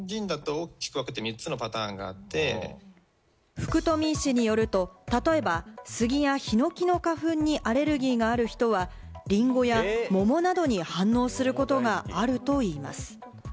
福冨医師によると、例えば、スギやヒノキの花粉にアレルギーがある人はリンゴやモモなどに反応することがあるといいます。